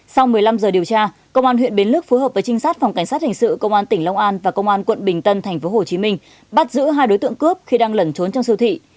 sau một mươi năm giờ điều tra công an huyện bến lức phối hợp với trinh sát phòng cảnh sát hình sự công an tỉnh long an và công an quận bình tân tp hcm bắt giữ hai đối tượng cướp khi đang lẩn trốn trong siêu thị